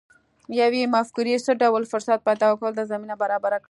يوې مفکورې څه ډول فرصت پيدا کولو ته زمينه برابره کړه؟